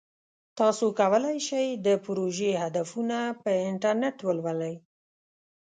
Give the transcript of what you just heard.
تاسو کولی شئ د پروژې هدفونه په انټرنیټ ولولئ.